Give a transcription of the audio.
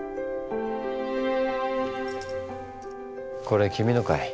これ君のかい？